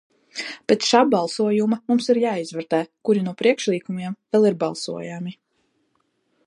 Pēc šā balsojuma mums ir jāizvērtē, kuri no priekšlikumiem vēl ir balsojami.